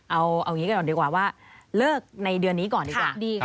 เอาอย่างนี้ก่อนดีกว่าว่าเลิกในเดือนนี้ก่อนดีกว่า